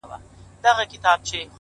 بيا کرار ؛کرار د بت و خواته گوري؛